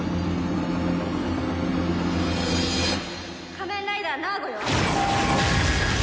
仮面ライダーナーゴよ！